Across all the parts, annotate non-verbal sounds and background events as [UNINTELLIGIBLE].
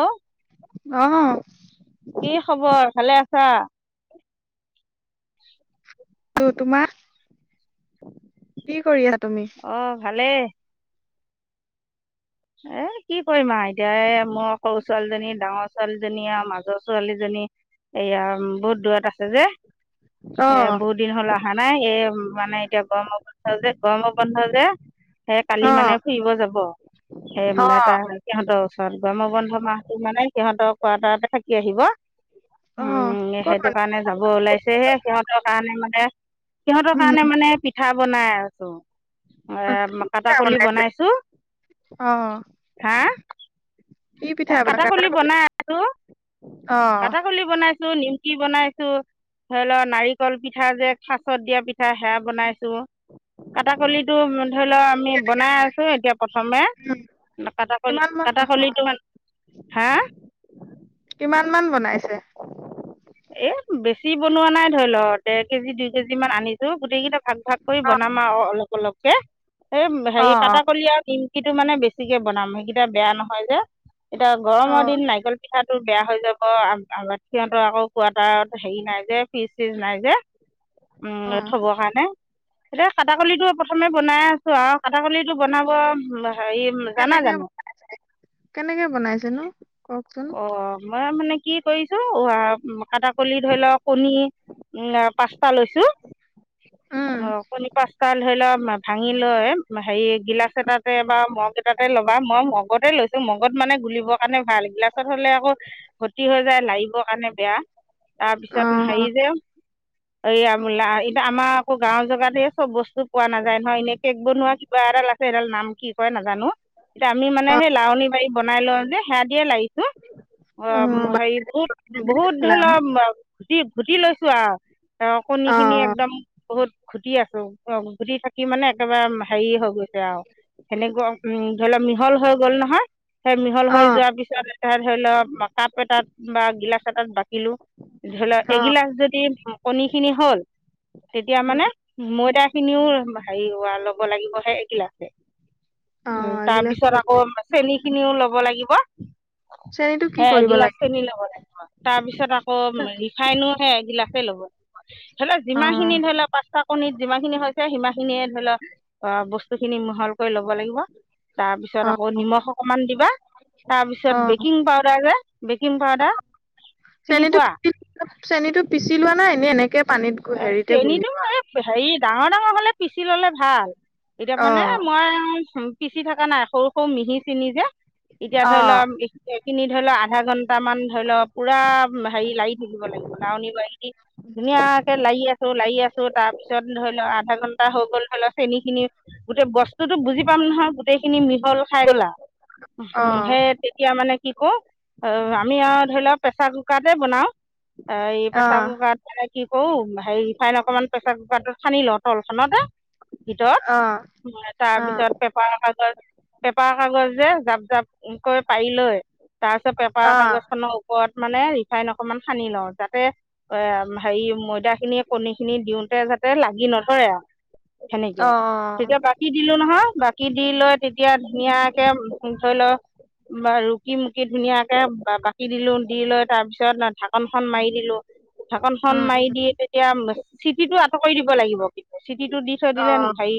অহ অ কি খবৰ ভালে আছা ত তোমাৰ কি কৰি আ অ ভালে এ কি কৰিম আও এতিয়া এ মোৰ সৰু ছোৱালীজনী ডাঙৰ ছোৱালীজনী আৰু মাজৰ ছোৱালীজনী এয়া বহুত দূৰত আছে যে সে অ', বহুত দিন হল অহা নাই এই মানে এতিয়া গৰম বন্ধ যে গৰম বন্ধ যে সেই কালি অ', মানে ফুৰিব যাব সেই এটা অ', সিহঁতৰ ওচৰত গৰমৰ বন্ধ মাহটো মানে সিহঁতৰ কোৱাৰ্টাৰতে থাকি আহিব অ', উম ক'ত সেইটো মানে কাৰণে যাব ওলাইছেহে সিহঁতৰ কাৰণে মানে সিহঁতৰ উম, কাৰণে মানে পিঠা বনাই আছো অ', কি এ পিঠা কাটা কলি বনাইছে? বনাইছো অ', হা কি এ পিঠা বনা কাটা কাটাকলি কলে? বনাই আছো অ', কাটাকলি বনাই নিমকি বনাইছো ধৰি লৱ নাৰিকল পিঠা যে খাচত দিয়া পিঠা সেয়া বনাইছো কাটাকলি টো ধৰি লও আমি বনাই আছো এতিয়া প্ৰথমে উম, কাটাকলি কিমান মান কাটাকলিতো মান হা কিমান মান বনাইছে এ বেছি বনোৱা নাই ধৰি ল, দেৰ কেজি দুই কেজি মান আনিছো গোটেই কেইটা ভাগ ভাগ কৰি অ', বনাম আৰু অলপ অলপকে সেই হেৰি অ', কাটা কলি আৰু নিমকিটো মানে বেছিকে বনাম সেইকেইটা বেয়া নহয় যে এতিয়া গৰমৰ অ', দিন নাৰিকল পিঠা বেয়া হৈ যাব আ আৰতি হঁতৰ আকৌ কোৱাৰ্টাৰত হেৰি নাই যে ফিজ চিজ নাই যে। উম অ', থব কাৰণে। এতিয়া কাটাকলিটো প্ৰথমে বনাই আছো আৰু কাটাকলিটো বনাব হেৰি জানা কেনেকে জানো কেনেকে বনাইছে নো কওক। অ মই মানে কি কৰিছো অ আ কাটাকলি ধৰি লওক কণী পাঁচটা লৈছো। উম, অ কনী পাঁচটা ধৰি ল মা ভাঙি লৈ হেৰি গিলাচ এটাতে বা মগ এটাতে ল'বা মই মগতে লৈছো মগত মানে গুলিবৰ কাৰণে ভাল গিলা ছত হলে আক খতি হৈ যায় লাৰিব কাৰণে বেয়া তাৰপিছত হেৰি অ', যে এইয়া বোলে এতিয়া আমাৰ আক গাঁওৰ জাগাত চব বস্তু পোৱা নাযায় নহয় এনে কেক বনোৱা কিবা এডাল আছে এডাল নাম কি কয় নাজানো, এতিয়া আমি মানে অ', সেই লাৱনী বাৰী বনাই লওঁ যে সেয়া দিয়ে লাৰি অ অ', হেৰি বহুত বহুত বাতিমাহতে ধৰি ল লাৰু ঘুটি, ঘুটি লৈছো আৰু কণী খিনি অ', একদম বহুত ঘুটি আছো অ ঘুটি থাকি মানে একেবাৰে হেৰি হৈ গৈছে আৰু সেনেকুৱা উম ধৰি ল মিহল হৈ গল নহয় সেই মিহল হৈ অ', যোৱাৰ পিছত এতিয়া ধৰি ল কাপ এটাত বা গিলাচ এটাত বাকিলো ধৰি ল অ', এগিলাচ যদি কণী খিনি হল তেতিয়া উম, মানে ময়দা খিনিও হেৰি হোৱা ল'ব লাগিব সে এগিলাছে। উ অ', এইগিলাচ তাৰপিছত আকৌ চেনী খিনিও লব লাগিব। চেনীটো কি হে কৰিব লাগে? এগিলাছ নি লব লাগিব। তাৰ পিছত আকৌ ৰিফাইনো হে এগিলাছে ল'ব। ধলেও যিমান অ', খিনি ধৰি লওক পাঁচটা কণিত যিমান খিনি হৈছে সিমান খিনিয়ে ধৰি লওক অ বস্তু খিনি মিহলকৈ ল'ব লাগিব। তাৰপিছত অ', আকৌ নিমখ অকমান দিবা তাৰপিছত অ পিছত বেকিং পাউদাৰ যে বেকিং পাউদাৰ চিনি চেনীটো পোৱা? পিচি চেনীটো পিচি লোৱা নাই এনে এনেকে পানীত গু- হেৰিতে গুলি চিনিটো ম, লোৱা হেৰিত। ডাঙৰ ডাঙৰ হলে পিচি ললে ভাল এতিয়া অ মানে মই পিচি থকা নাই সৰু সৰু মিহি চিনী যে এতিয়া অ ধৰি লোৱা এইখিনি ধৰি লওক আধা ঘণ্টামান ধৰি লওক পুৰা হেৰি লাৰি থাকিব লাগিব লাৱনী বাৰী দি ধুনীয়াকে লাৰি আছো লাৰি আছো তাৰপিছত ধৰি লওক আধা ঘণ্টা হৈ গ'ল বল চেনি খিনি গোটেই বস্ত তো বুজি পাম নহয়, গোটেই খিনি মিহল খাই গলা অ সেই তেতিয়া মানে কি অহ আমি আৰু ধৰি লওক প্ৰেছাৰ কুকাৰতে বনাও। এই অ প্ৰেছাৰকুকাৰত অহ হেৰি ৰিফাইন অকমান প্ৰেচাৰ কুকাৰটোত সানি লওঁ তলখনতে। ভিতৰত অ অ তাৰপিছত পেপাৰ কাগজ পেপাৰ কাগজে জাপ জাপকৈ পাৰি লৈ তাৰ পিছত পেপাৰ অ কাগজ খনৰ ওপৰত মানে ৰিফাইন অকমান সানি লওঁ, যাতে এ হেৰি ময়দা খিনি কণী খিনি দিওতে যাতে লাগি নধৰে আৰু অ সেনেকে। তেতিয়া বাকী দিলো নহয় বাকী দি লৈ তেতিয়া ধুনীয়াকে ধৰি লও- বা ৰুকি মুকি ধুনীয়াকে বাকি দিলো দি লৈ তাৰ পিছত ঢা ঢাখন মাৰি দিলো ঢাখন খন উম মাৰি দি তেতিয়া চিটিটো আঁতৰ কৰিৰ দিব লাগিব কিন্তু চিটিটো দি থৈ অ দিলে হেৰি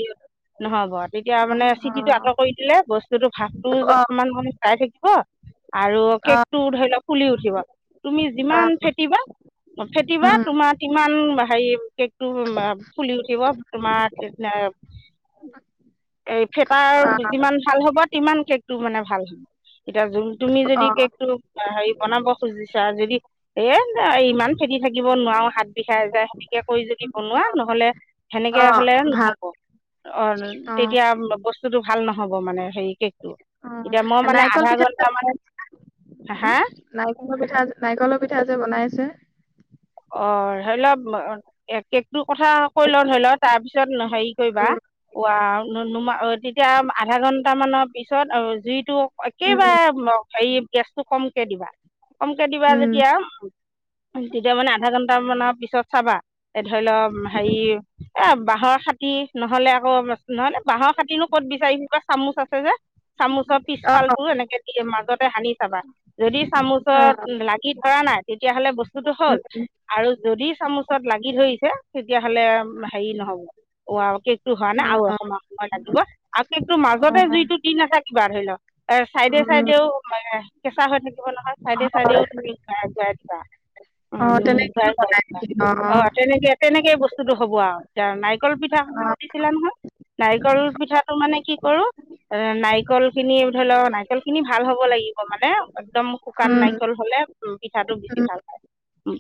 নহয়ব তেতিয়া অ মানে চিটিটো আঁতৰ কৰি দিলে বস্তুতটো ভাপটো অকমান মানে চাই থাকিব আৰু অ অ কেকটো ধৰি লও ফুলি উঠিব তুমি যিমান ফেটিবা ফেটিবা উম তোমাৰ কিমান হেৰি এক ফুলি উঠিব তোমাৰ এই ফেতাৰ অ যিমান ভাল হ'ব তিমান কেকটো মানে ভাল হ'ব এতিয়া তুমি অ যদি কেক টো হেৰি বনাব খুজিছা যদি এ ইমান ফেদিি থাকে দিব নোৱাৰো হাত বিষাই যোই সেনেকে কৰি যদি বনোৱা নহলে সেনেকে অ হলে ভাল নহব। অ' তেতিয়া বস্তুতটো ভাল নহ'ব মানে হেৰি কে এতিয়া মই অ মানে নাৰিকল আধা পিঠা যে ঘন্টামান হা নাৰল পিঠা নাৰিকলৰ পিঠা যে বনাইছে। অ 'হেইৰিল এক কথা কৈ ল নৰি লও তাৰ পিছত হেৰি উম কৰিবাম তেতিয়া আধা ঘণ্টামানৰ পিছত জুইটো উম একেবাৰে হেৰি গেছটো কমকে দিবা কমকৈ দিবা উম যেতিয়া মানে আধা ঘন্টা মানৰ পিছত চাবা এই ধৰি লও হেৰি এ বাঁহৰ খাতি নহলে আকৌ নহলে বাঁহৰ খাতিনো ক'ত বিচাৰি কোৱা চামুচ আছে যে চামুচৰ অ পিছফালটোোৰো এনেকে দি মাজতে সানি চাবা যদি চামুচত অ লাগি ধৰা নাই তেতিয়াহলে বস্তুটো হল উম আৰু যদি চামুচত লাগি ধৰিছে তেতিয়াাহ'লে হেৰি নহব অ কেক টো হোৱা নাই আৰু অ এশ মাহ সময় লাগিব আৰু কেকতটো ম অ মাজতে যুইটো দিন আছে কিবা ধৰি লওক এ চাইডে উম চাইডেও কেঁচা হৈ থাকে। নহয় চাইডে হয় চাইডেও তুমি যোৱা অ তেনেকে বনাই নেকি [UNINTELLIGIBLE] অ', তেনেকে, তেনেকে বস্তুতো হ'ব আৰু নাই নাৰিকল পিঠা [INAUDIBLE] অ সুধিছিলা নহয়, নাৰিকল পিঠাটো মানে কি কৰোঁ। এ, নাৰিকলখিনি ধৰি ল' নাৰিকলখিনি ভাল হ'ব লাগিব মানে একদম শুকান উম নাৰিকল হ'লে উম, পিঠাটো উম বেছি ভাল হয়।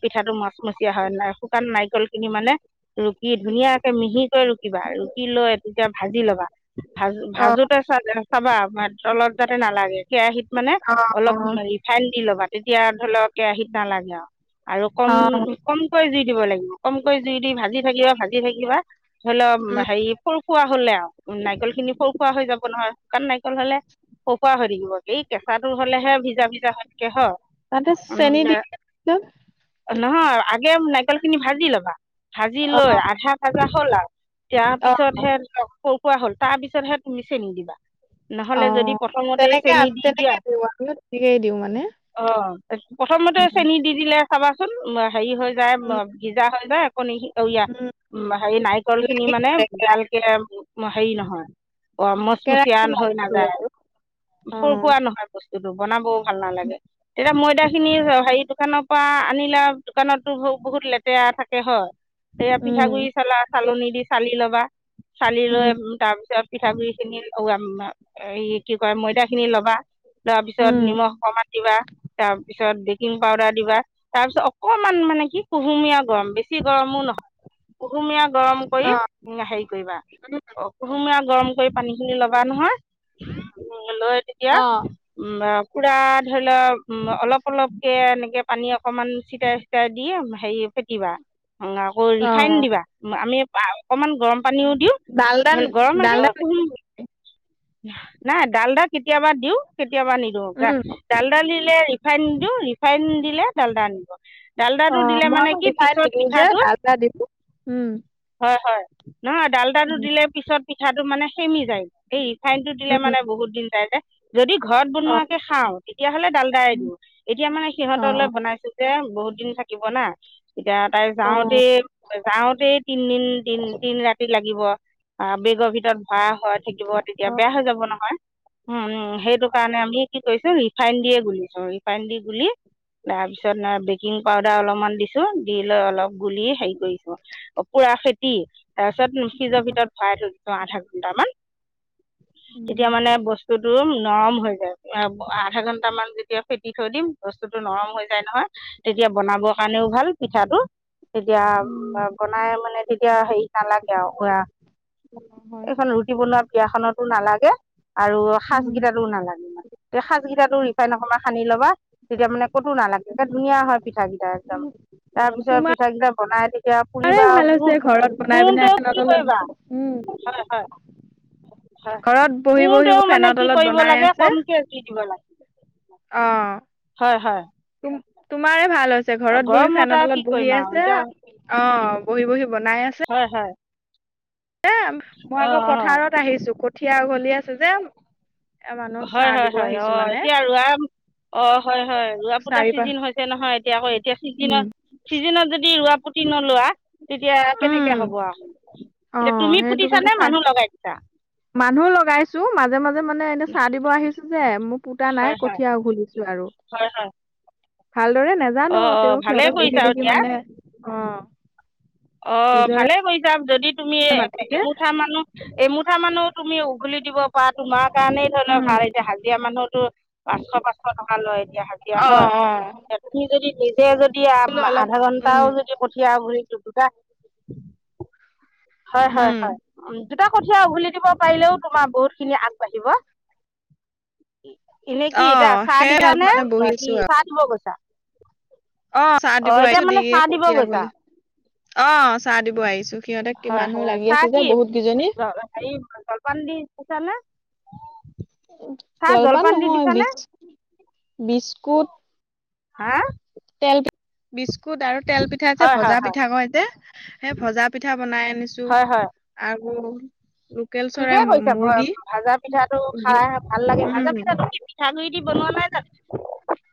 পিঠাটো মচমচিয়া হয়, ন! শুকান নাৰিকলখিনি মানে ৰু কি ধুনীয়াকে মিহিকৈ ৰুকিবা, ৰুকি লৈ তেতিয়া ভাজি ল'বা, অ ভাজো-ভাজোতে চা চাবা তলত যাতে নালাগে, কেৰাহীত মানে অ অ অলপ ৰিফাইন দি ল'বা। তেতিয়া ধৰি ল' কেৰাহীত নালাগে আৰু। আৰু অ কমকমকৈ জুই দিব লাগিব, কমকৈ জুই দি ভাজি থাকিবা, ভাজি থাকিবা [UNINTELLIGIBLE] অলপ উম হেৰি ফৰ খোৱা হ'লে আৰু নাৰিকল খিনি ফৰ খোৱা হৈ যাব নহয় শুকান নাৰিকল হ'লে সোফুৱা হৈ থাকিব এই কেঁচাটোৰ হ'লে হে ভিজা ভিজা হৈ কেহ তাতে চেনি দি উম, দিয়ে তাৰপিছত নহয়, আগে নাৰিকল খিনি ভাজি ল'বা ভাজি অ লৈ আধা ভাজা হ'ল আৰু তাৰ অ পিছতহে ফৌফুৰা হ'ল তাৰ পিছতহে তুমি চেনি দিবা। অ নহ'লে যদি প্ৰথমতে তেনেকে চেনি আমি দি দিয়া তেনেকে দিওঁ আমিও তেনেকেই দিওঁ মানে অ' প্ৰথমতে উম চেনি দি দিলে চাবাচোন হেৰি হৈ যায়, উম ভিজা হৈ যায়। কণী খি উ উম আহ হাৰি নাৰিকল খিনি লাগিবই মানে কেৰাহী ভালকে হেৰি নহয়। অ' মচমচিয় কেৰাহীটো হৈ লাগিবই নাযায় বাৰু অ ফুৰ খোৱা নহয় বস্তুটো বনাবো ভাল নালাগে, তেতিয়া ময়দা খিনি হেৰি দোকানৰ পৰা আনিলে দোকানতো ব বহুত লেতেৰা থাকে হয়। এতিয়া উম পিঠাগুড়ি চলা চালনী দি চালি ল'বা। চালি লৈ উম তাৰ পিছত পিঠাগুড়ি খিনি এই কি কয় ময়দা খিনি ল'বা, তাৰ পিছত উম নিমখ অকমান দিবা, তাৰপিছত বেকিং পাউদাৰ দিবা, তাৰ পিছত অকমান মানে কি কুহুমীয়া গৰম বেছি গৰমো নহয়। কুহুমীয়া গৰম কৰি অ উম, হেৰি কৰিবা উম অ' কুহুমীয়া গৰম কৰি পানী খিনি ল'বা নহয়। লৈ তেতিয়া অ উম, পুৰা ধৰি লোৱা উ অলপ অলপ এনেকে পানী অকমান চিটাই চিটাই দি হেৰি ফেটিবা অ' আকৌ অ ৰিফাইন দিবা, আমি অকমান গৰম পানীও দিওঁ ডালদা গৰম নাইকিয়া ডালদা কুহুম- নিদিলো নাই ডালডা কেতিয়াবা দিওঁ, কেতিয়াবা নিদিওঁ যা উম ডাল ডালডা দিলে ৰিফাইন নিদিওঁ, ৰিফাইন দিলে ডালডা নিদিব। অ ডালদাটো দিলে মই মানে আকৌ কি ৰিফাইন পিছত নিদিওঁ যে পিঠাটো, ডালদা দিওঁ উম হয় হয়। নহয়, ডালতাটো উম দিলে পিছত পিঠাটো মানে সেমি যায়, এই ৰিফাইনতটো দিলে উম মানে বহুত দিন যাই যে। যদি ঘৰত অ বনোৱাকে খাওঁ, তেতিয়াহ'লে ডালডায়ে দিওঁ, এতিয়া মানে অ সিহঁতলৈ বনাইছোঁ যে। তে, বহুত দিন থাকিব না। এতিয়া তাই অ'। যাওঁতেই-যাওঁতেই তিনদিন তিন-তিন ৰাতি লাগিব। আ', বেগৰ ভিতৰত ভৰাই হোৱা থাকিব, তেতিয়া অ', বেয়া হৈ যাব নহয়। উম উম, সেইটো কাৰণে আমি কি কৰিছোঁ, ৰিফাইন দিয়েই গুলিছো, ৰিফাইন দি গুলি তাৰ পিছত বেকিং পাউদাৰ অলপমান দিছোঁ, দি লৈ অলপ গুলি হেৰি কৰিছোঁ পুৰা ফেতি, তাৰপিছত ফ্ৰিজৰ ভিতৰত ভৰাই থৈ দিলোঁ আধা ঘন্টামান। উম, এতিয়া মানে বস্ বস্তুটো নৰম হৈ যায়, এব-আধা ঘণ্টামান যেতিয়া ফেটি থৈ দিম, বস্তু স্তুটো নৰম হৈ যায় নহয়, তেতিয়া বনাবৰ কাৰণেও ভাল পিঠাটো তেতিয়া, উম, বনাই মানে তেতিয়া হেৰি নালাগে আৰু আ বনোৱা হয়, এইখন ৰুটি বনোৱা পীৰাখনটো নালাগে আৰু উম। সাজকেইটাতো নালাগে মানে। তে সাজকেইটাতো ৰি ফাইন অকমান সানি ল'বা, তেতিয়া মানে ক'তো নালাগে, একেবাৰে ধুনীয়া হয় পিঠাকেইটা একদম। অ তাৰপিছত তোমাৰে পিঠাকেইটা বনাই তেতিয়া পুৰিবা ভাল ক হৈছে ঘৰত বনাই পিনে কোনটো ফেনৰ কি তলত কৰিবা উম হয়, ঘৰত বহি বহি পোৰতেও মানে ফেনৰ কি তলত কৰিব বনাই লাগে আছে কমকে জুই দিব লাগে অ', হয় হয় তুম তোমাৰে ভাল হৈছে ঘৰত বহি গৰমত ফেনত আৰু কি তলত কৰিম বহি আৰু আছে এতিয়া অ বহি, বহি বনাই আছে হয় হয় দে, মই আকৌ অঁ অঁ পথাৰত আহিছো কঠীয়া উঘালি আছু যে এ মানুহক হয়, চাহ হয়, দিব হয়, আহিছো অ মানে এতিয়া আৰু ৰুৱা অ', হয় হয় ৰোৱা-পোতা চাৰি পাঁচ চিজিন হৈছে নহয় এতিয়া আকৌ এতিয়া উম, ছিজিনত ছিজিনত যদি ৰোৱা পুটি নলোৱা তেতিয়া উম, কেনেকে হব আৰু এতিয়া অ', তুমি সেইটো পুতিছা কাৰণে নে চাহ মানুহ লগাইছা মানুহ লগাইছো মাজে, মাজে মানে এনে চাহ দিব আহিছো যে মই পুতা নাই হয় হয় কঠিয়া উঘুলিছো হয়, হয় ভালদৰে নেজানো অঁ অঁ তেওঁ ভালেই সিহঁতক কৰিছা দেখি, আৰু দেখি মানে অ', অ', নিজৰে ভালে হৈ যাম যদি তুমি মাটিতে এমুঠা মানো এমুঠা মানো তুমি উঘুলি দিব পৰা তোমাৰ কাৰণেই ধৰি লওক উম ভাল এতিয়া হাজিৰা মানুহতো পাঁচশ, পাঁচশ টকা লয় এতিয়া হাজিৰা অ হয় অ তুমি যদি নিজে যদি বোলো অলপ আধা উম ঘণ্টাও যদি কঠিয়া গুৰি হয়, হয়, উম হয় উ দুটা কঠিয়া উঘুলি দিব পাৰিলেও তোমাৰ বহুত খিনি আগবাঢ়িব এনে কি অ এতিয়া চাহ সেই দিছা অলপ নে মানে কি বহিছো আৰু চাহ দিব গৈছা অ', চাহ দিব এতিয়া আহিছো দি মানে এ চাহ দিব কঠিয়া গৈছা উঘালিম অ', চাহ দিব আহিছোঁ হয়, হয় চাহ কি হেৰি জলপান দি দিছা নে চাহ জলপান দি নহয় বি দিছানে বিস্কুট হা তেল বিস্কুট আৰু তেল পিঠা যে হয় হয় ভজা হয় পিঠা কয় যে সেই ভজা পিঠা বনাই আনিছো হয় হয় আৰু লোকেল চৰাই ঠিকে মু- কৈছা মই মুৰ্গী ভাজা পিঠাটো দি খাই ভাল লাগে ভাজা উম পিঠা পিঠাগুডৰি দি বনোৱা নাই জানো [UNINTELLIGIBLE]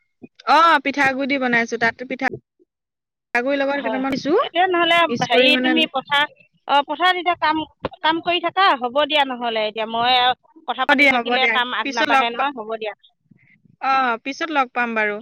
অ', পিঠা গুডি দি বনাইছো তাত পিঠা হয় এতিয়া নহলে মিক্স কৰি হেৰি মানে তুমি পথাৰ অ', পথাৰ দি কাম, কাম কৰি থাকা হ'ব দিয়া নহলে এতিয়া মই আৰু কথা হ'ব পাতি দিয়া হ'ব থাকিলে দিয়া কাম আগ পিছত নাবঢ়ে লগ পা নহয় হ'ব দিয়া অ', পিছত লগ পাম বাৰু